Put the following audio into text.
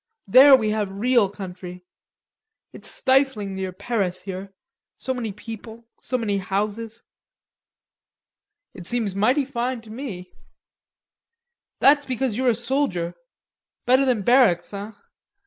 There we have real country. It's stifling near Paris here, so many people, so many houses." "It seems mighty fine to me." "That's because you're a soldier, better than barracks, hein?